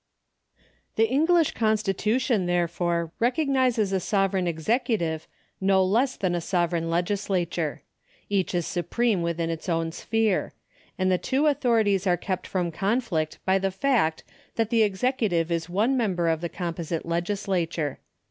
The English constitution, therefore, recognises a sovereign executive, APPENDIX II 469 no less than a sovereign legislature. Each is supreme within its own sphere ; and the two authorities are kept from conflict by the fact that the executive is one member of the composite legislature.